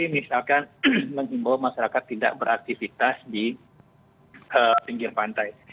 misalkan mengimbau masyarakat tidak beraktivitas di pinggir pantai